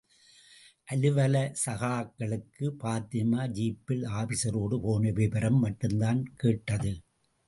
அலுவலக சகாக்களுக்கு பாத்திமா, ஜீப்பில் ஆபீஸ்ரோடு போன விபரம் மட்டும்தான் கேட்டது.